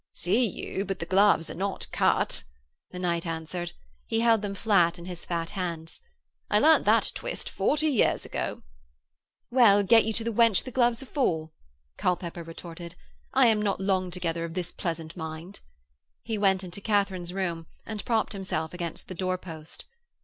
'See you, but the gloves are not cut,' the knight answered. He held them flat in his fat hands. 'I learnt that twist forty years ago.' 'Well, get you to the wench the gloves are for,' Culpepper retorted. 'I am not long together of this pleasant mind.' He went into Katharine's room and propped himself against the door post.